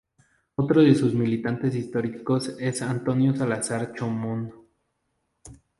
Otro de sus militantes históricos es Antonio Salazar Chomón.